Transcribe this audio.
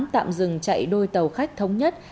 tạm dừng chạy đôi tàu khách thống nhất